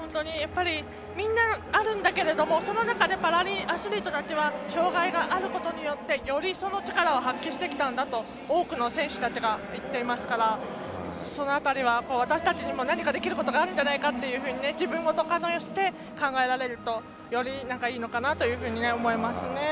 みんな、あるんだけれどもその中でパラアスリートたちは障がいがあることによって、よりその力を発揮してきたんだと多くの選手たちが言っていますから、その辺りは私たちにも何かできることがあるんじゃないかというふうに自分ごとにして、考えられるとよりいいのかなと思いますね。